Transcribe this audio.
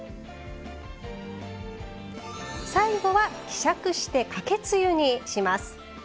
最後は希釈してかけつゆにします。